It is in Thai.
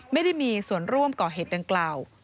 ไม่ได้มีส่วนร่วมก่อเหตุดังกล่าว